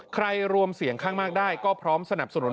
รวมเสียงข้างมากได้ก็พร้อมสนับสนุน